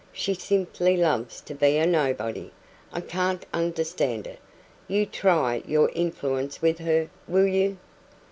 She simply loves to be a nobody. I can't understand it. You try your influence with her, will you?"